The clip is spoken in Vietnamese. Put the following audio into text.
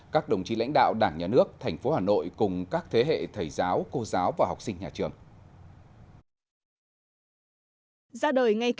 các đồng chí lãnh đạo đảng nhà nước thành phố hà nội cùng các thế hệ thầy giáo cô giáo và học sinh nhà trường